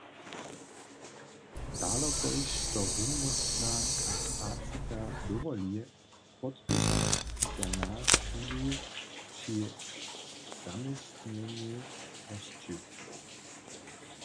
Dalokož to rumnostna kapacita dowoli, podpěra internat šulu při zaměstnjenju hosći.